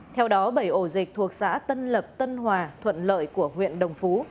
theo đó bảy ổ dịch thuộc xã tân lập tân hòa thuận lợi của huyện đồng phú